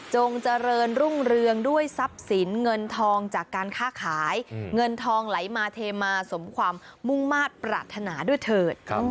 เจริญรุ่งเรืองด้วยทรัพย์สินเงินทองจากการค่าขายเงินทองไหลมาเทมาสมความมุ่งมาตรปรารถนาด้วยเถิด